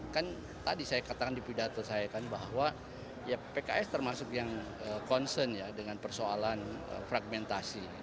kan tadi saya katakan di pidato saya kan bahwa ya pks termasuk yang concern ya dengan persoalan fragmentasi